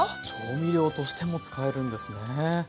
調味料としても使えるんですね。